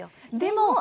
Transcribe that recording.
でも。